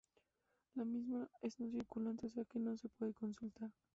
La misma es no circulante, o sea que no se puede consultar.